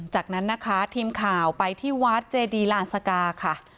จากนั้นนะคะทีมข่าวไปที่วัดเจดีลานสกาค่ะ